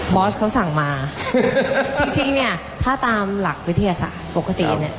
อสเขาสั่งมาจริงจริงเนี่ยถ้าตามหลักวิทยาศาสตร์ปกติเนี่ย